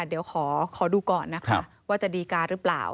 เดี๋ยวขอดูก่อนนะคะว่าจะดีการหรือเปล่า